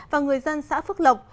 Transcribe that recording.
và người dân xã phước lộc